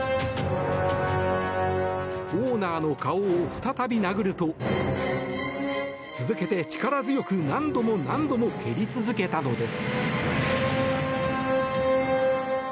オーナーの顔を再び殴ると続けて、力強く何度も何度も蹴り続けたのです。